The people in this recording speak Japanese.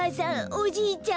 おじいちゃん